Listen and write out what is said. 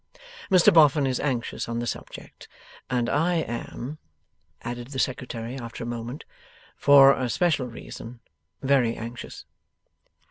Mr Boffin is anxious on the subject. And I am,' added the Secretary after a moment, 'for a special reason, very anxious.